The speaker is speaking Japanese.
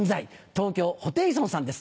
東京ホテイソンさんです。